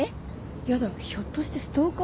やだひょっとしてストーカー？